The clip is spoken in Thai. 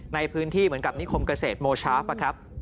ในพื้นที่เหมือนกับนิคมเกษตรโมชาฟครับ